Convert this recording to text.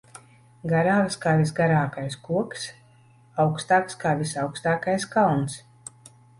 Garāks kā visgarākais koks, augstāks kā visaugstākais kalns.